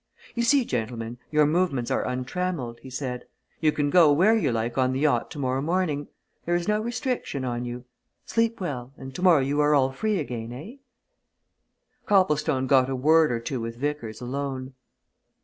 "You see, gentlemen, your movements are untrammelled," he said. "You can go in and out of your quarters as you like. You can go where you like on the yacht tomorrow morning. There is no restriction on you. Sleep well and tomorrow you are all free again, eh?" Copplestone got a word or two with Vickers alone.